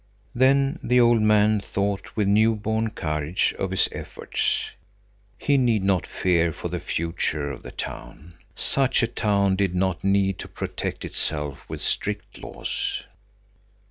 Then the old man thought with new born courage of his efforts. He need not fear for the future of the town. Such a town did not need to protect itself with strict laws.